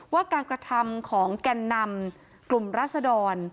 ว่าการกระทำของแก่นนำกลุ่มรัศดร